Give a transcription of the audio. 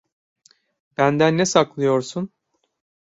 Benden ne saklıyorsun?